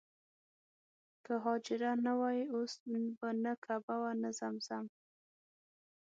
که حاجره نه وای اوس به نه کعبه وه نه زمزم.